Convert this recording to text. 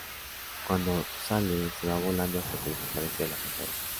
Cuando sale, se va volando hasta que desaparece de la pantalla.